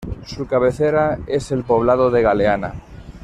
Su cabecera es el poblado de Galeana.